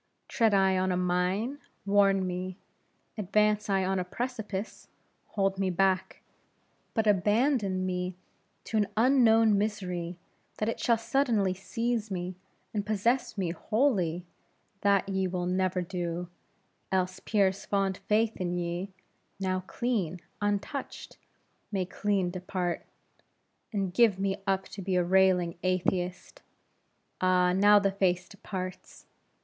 Tread I on a mine, warn me; advance I on a precipice, hold me back; but abandon me to an unknown misery, that it shall suddenly seize me, and possess me, wholly, that ye will never do; else, Pierre's fond faith in ye now clean, untouched may clean depart; and give me up to be a railing atheist! Ah, now the face departs.